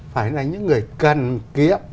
phải là những người cần kiệm